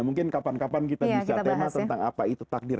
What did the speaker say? mungkin kapan kapan kita bisa tema tentang apa itu takdir